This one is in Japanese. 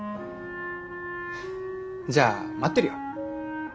じゃあ待ってるよ。